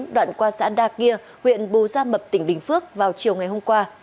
đoạn qua xã đa kia huyện bù gia mập tỉnh bình phước vào chiều ngày hôm qua